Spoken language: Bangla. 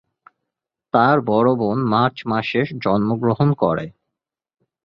তার বড় বোন মার্চ মাসে জন্মগ্রহণ করে।